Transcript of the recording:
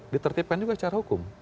ditertipkan juga secara hukum